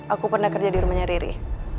aku pernah kerja di rumahnya riri